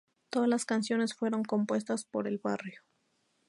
Todas las canciones fueron compuestas por El Barrio.